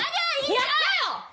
やったよ！